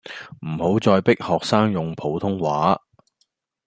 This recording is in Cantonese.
唔好再迫學生用普通話